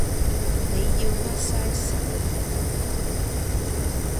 你要乜晒士？